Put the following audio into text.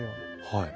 はい。